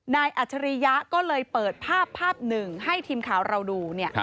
อัจฉริยะก็เลยเปิดภาพภาพหนึ่งให้ทีมข่าวเราดู